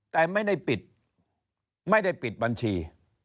แต่ไม่ได้ปิดไม่ได้ปิดบัญชี